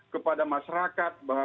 kepada masyarakat bahwa